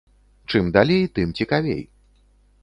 Чым далей, тым цікавей.